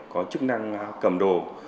có chức năng cầm đồ